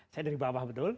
saya dari bawah betul